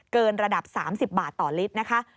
เกินระดับ๓๐บาทต่อลิตร